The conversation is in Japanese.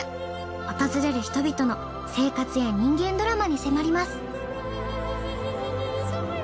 訪れる人々の生活や人間ドラマに迫ります。